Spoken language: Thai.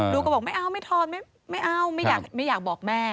ลูกก็บอกไม่เอาไม่ทอนไม่เอาไม่อยากบอกแม่